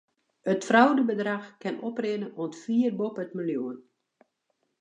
It fraudebedrach kin oprinne oant fier boppe it miljoen.